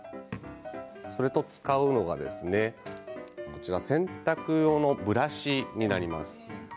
それと、使うのは洗濯用のブラシになります。